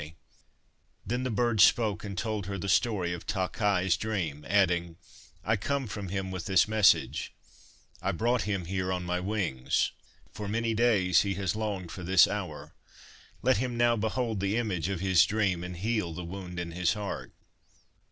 ' i73 THE STORY OF THE BIRD FENG Then the bird spoke and told her the story of Ta Khai's dream, adding :' I come from him with this message ; I brought him here on my wings. For many days he has longed for this hour, let him now behold the image of his dream and heal the wound in his heart.'